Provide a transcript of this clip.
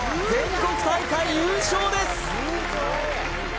全国大会優勝です！